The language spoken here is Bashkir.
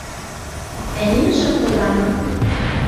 Ә нимә шаҡылданы?